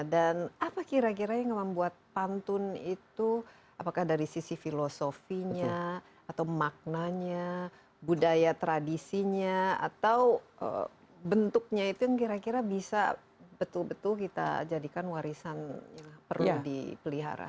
dan apa kira kira yang membuat pantun itu apakah dari sisi filosofinya atau maknanya budaya tradisinya atau bentuknya itu yang kira kira bisa betul betul kita jadikan warisan yang perlu dipelihara